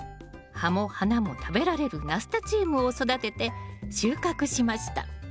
葉も花も食べられるナスタチウムを育てて収穫しました。